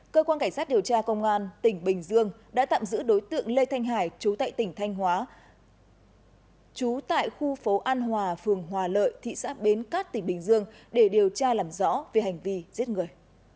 cơ quan cảnh sát điều tra công an tỉnh bình dương đã tạm giữ đối tượng lê thanh hải chú tại tỉnh thanh hóa chú tại khu phố an hòa phường hòa lợi thị xã bến cát tỉnh bình dương để điều tra làm rõ về hành vi giết người